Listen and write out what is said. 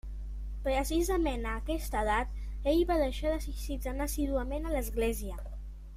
Precisament a aquesta edat, ell va deixar d'assistir tan assíduament a l'església.